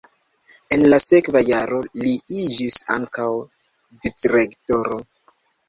En la sekva jaro li iĝis ankaŭ vicrektoro.